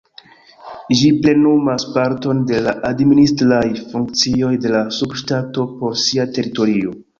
Ĝi plenumas parton de la administraj funkcioj de la subŝtato por sia teritorio.